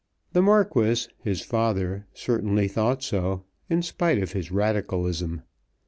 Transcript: The Marquis, his father, certainly thought so in spite of his Radicalism.